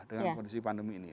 dengan kondisi pandemi ini